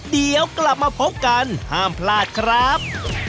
เดี๋ยวกลับมาพบกันห้ามพลาดครับ